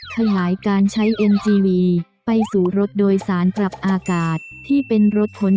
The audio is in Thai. ขยายการใช้เอ็นจีวีไปสู่รถโดยสารปรับอากาศที่เป็นรถค้น